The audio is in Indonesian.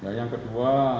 ya yang kedua